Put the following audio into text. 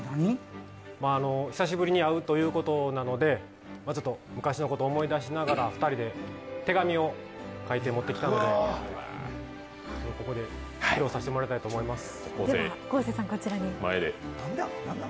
久しぶりに会うということなので昔のこと思い出しながら２人で手紙を書いて持ってきたのでここで披露させてもらいたいと思います。